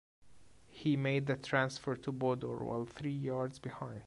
He made the transfer to Bodor while three yards behind.